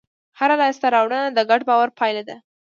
هره لاستهراوړنه د ګډ باور پایله ده.